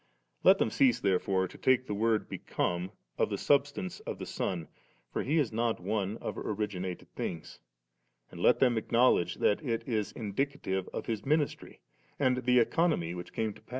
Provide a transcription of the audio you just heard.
Let them cease therefore to take the word 'become' of the substance of the Son, for He is not one of originated things; and let them acknowledge that it is indicative of His ministry and the Economy which camejto pass.